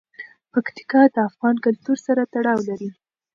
پکتیکا د افغان کلتور سره تړاو لري.